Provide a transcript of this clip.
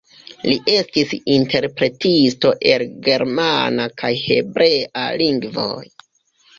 Li estis interpretisto el germana kaj hebrea lingvoj.